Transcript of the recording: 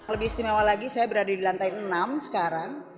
lebih istimewa lagi saya berada di lantai enam sekarang